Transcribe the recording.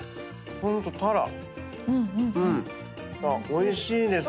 おいしいですね。